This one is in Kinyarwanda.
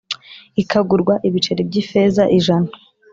ikagurwa ibiceri by ifeza ijana